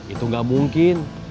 itu gak mungkin